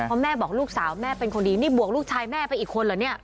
เพราะแม่บอกลูกสาวแม่เป็นคนดีนี่บวกลูกชายแม่ไปอีกคนเหรอเนี่ย